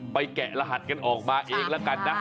แกะรหัสกันออกมาเองแล้วกันนะ